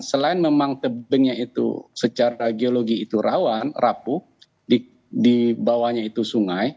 selain memang tebingnya itu secara geologi itu rapuh dibawahnya itu sungai